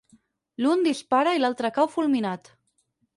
L'un dispara i l'altre cau fulminat.